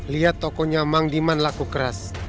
lihat tokonya mang diman laku keras